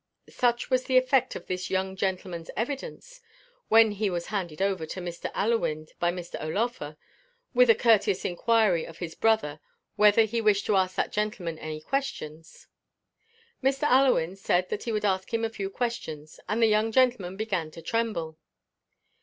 Such was the effect of this young gentleman's evidence, when he was handed over to Mr. Allewinde by Mr. O'Laugher, with a courteous inquiry of his brother whether he wished to ask that gentleman any questions. Mr. Allewinde said that he would ask him a few questions, and the young gentleman began to tremble.